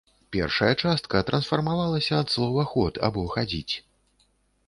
Першая частка трансфармавалася ад слова ход або хадзіць.